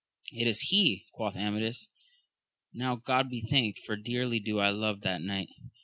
Is it he ? quoth Auiadis ; now God be thanked, for deariy do I love that knight